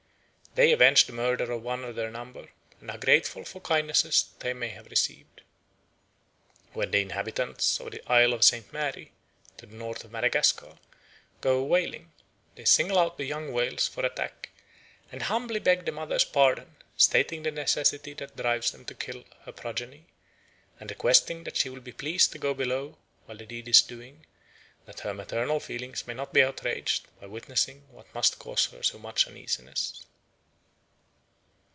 They avenge the murder of one of their number, and are grateful for kindnesses that they may have received." When the inhabitants of the Isle of St. Mary, to the north of Madagascar, go a whaling, they single out the young whales for attack and "humbly beg the mother's pardon, stating the necessity that drives them to kill her progeny, and requesting that she will be pleased to go below while the deed is doing, that her maternal feelings may not be outraged by witnessing what must cause her so much uneasiness."